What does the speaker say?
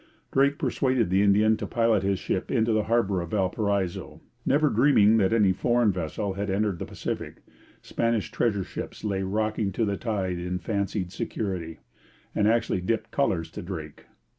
Drake persuaded the Indian to pilot his ship into the harbour of Valparaiso. Never dreaming that any foreign vessel had entered the Pacific, Spanish treasure ships lay rocking to the tide in fancied security, and actually dipped colours to Drake.